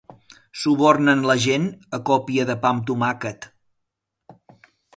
Subornen la gent a còpia de pa amb tomàquet.